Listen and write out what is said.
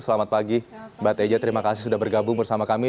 selamat pagi mbak teja terima kasih sudah bergabung bersama kami